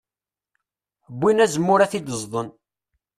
Wwin azemmur ad t-id-ẓden.